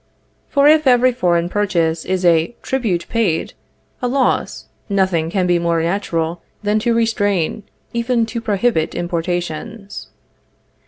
For if every foreign purchase is a tribute paid, a loss, nothing can be more natural than to restrain, even to prohibit importations.